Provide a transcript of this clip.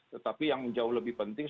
tetapi yang jauh lebih penting